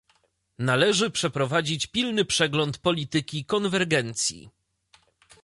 należy przeprowadzić pilny przegląd polityki konwergencji